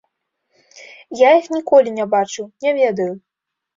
Я іх ніколі не бачыў, не ведаю.